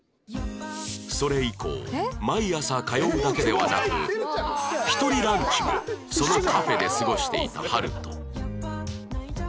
それ以降毎朝通うだけでなく一人ランチもそのカフェで過ごしていた晴翔